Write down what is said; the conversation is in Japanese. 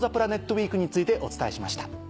ウィークについてお伝えしました。